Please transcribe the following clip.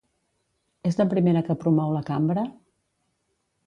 És la primera que promou la Cambra?